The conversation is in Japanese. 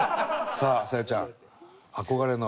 さあ沙夜ちゃん。